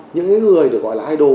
những người được gọi là idol